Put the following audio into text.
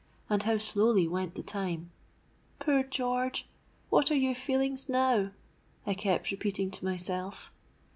and how slowly went the time! 'Poor George! what are your feelings now?' I kept repeating to myself.